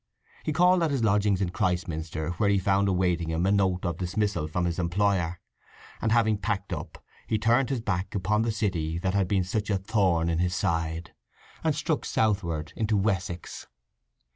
He called at his lodging in Christminster, where he found awaiting him a note of dismissal from his employer; and having packed up he turned his back upon the city that had been such a thorn in his side, and struck southward into Wessex.